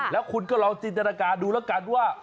แล้วคุณก็ลองจินตนาการดูแล้วกันว่า